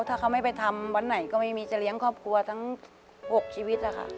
ถ้าเขาไม่ไปทำวันไหนก็ไม่มีจะเลี้ยงครอบครัวทั้ง๖ชีวิตนะคะ